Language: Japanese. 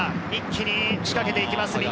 一気に仕掛けてきます